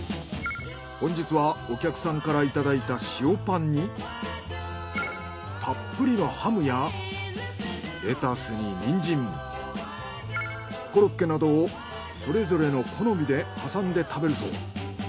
本日はお客さんからいただいた塩パンにたっぷりのハムやレタスにニンジンコロッケなどをそれぞれの好みではさんで食べるそう。